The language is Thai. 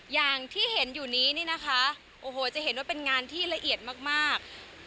อย่างที่เห็นอยู่นี้นี่นะคะโอ้โหจะเห็นว่าเป็นงานที่ละเอียดมาก